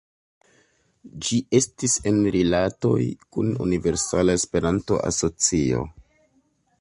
Ĝi estis en rilatoj kun Universala Esperanto-Asocio.